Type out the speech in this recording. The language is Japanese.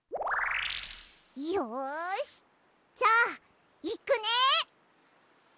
よしじゃあいくね。